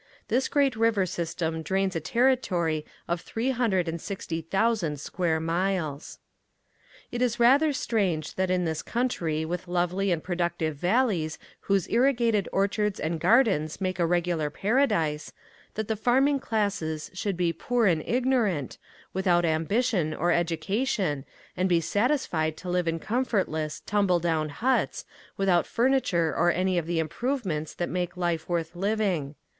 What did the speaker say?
This great river system drains a territory of three hundred and sixty thousand square miles. It is rather strange that in this country with lovely and productive valleys whose irrigated orchards and gardens make a regular paradise, that the farming classes should be poor and ignorant, without ambition or education and be satisfied to live in comfortless, tumble down huts without furniture or any of the improvements that make life worth living.